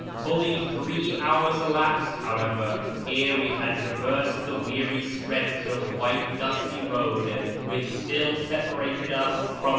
Fully three hours elapsed, however, ere we had traversed the weary stretch of white dusty road which still separated us from our 32 / YF.